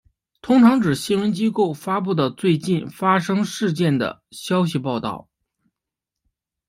通常指新闻机构发布的最近发生事件的消息报道。